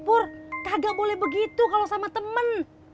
pur kagak boleh begitu kalau sama temen